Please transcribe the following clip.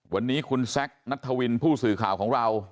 วันนี้คุณแซคนัทธวินผู้สื่อข่าวของเรา